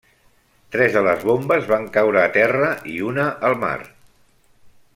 Tres de les bombes van caure a terra, i una al mar.